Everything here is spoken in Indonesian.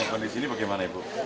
kondisi ini bagaimana ibu